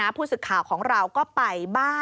นี่ค่ะคุณผู้ชมพอเราคุยกับเพื่อนบ้านเสร็จแล้วนะน้า